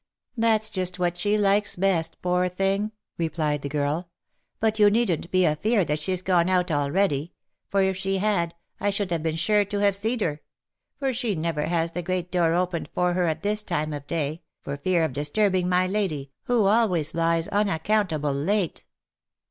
" That's just what she likes best, poor thing," replied the girl. " But you needn't be afeard that she's gone out already ; for if she had, I should have been sure to have seed her ; for she never has the great door opened for her at this time of day, for fear of disturbing my lady, who always lies unaccountable late."